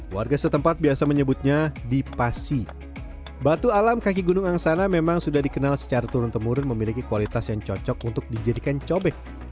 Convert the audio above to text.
warga setempat biasa menyebutnya di pasi batu alam kaki gunung angsana memang sudah dikenal secara turun temurun memiliki kualitas yang cocok untuk dijadikan cobek